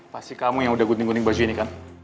pasti kamu yang udah gunting gunting baju ini kan